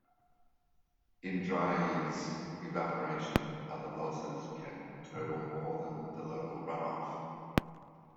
In dry years, evaporation and other losses can total more than the local runoff.